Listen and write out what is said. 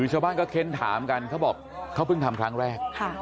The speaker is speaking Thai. ชาวบ้านเป็นเค้นถามครับเพิ่งทำครั้งแรก